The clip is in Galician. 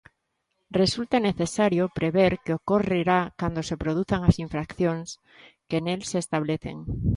Resulta necesario prever que ocorrerá cando se produzan as infraccións que nel se establecen.